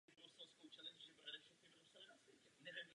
Dá se nalézt na řadě lokalit.